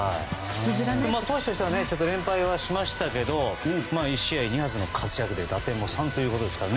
投手としては連敗はしましたけど１試合２発の活躍で打点も３ということですから。